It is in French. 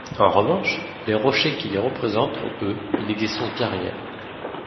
En revanche, les rochers qui les représentent ont eux, une existence bien réelle.